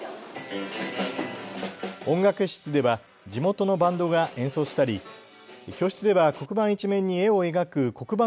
音楽室では地元のバンドが演奏したり、教室では黒板一面に絵を描く黒板